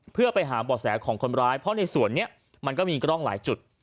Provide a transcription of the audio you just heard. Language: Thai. เพื่อไปหาบ่อแสของคนร้ายเพราะในส่วนนี้มันก็มีกล้องหลายจุด